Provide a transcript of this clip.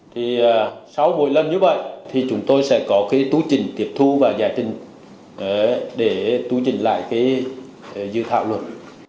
thì sau buổi lần như vậy thì chúng tôi sẽ có cái tú trình tiệp thu và giải trình để tú trình lại cái dự thạo luật